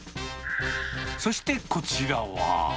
そしてこちらは。